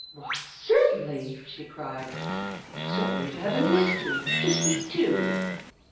"Why, certainly!" she cried. "So we're to have a mystery just we two!"